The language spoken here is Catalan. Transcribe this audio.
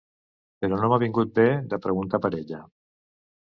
Però no m'ha vingut bé de preguntar per ella.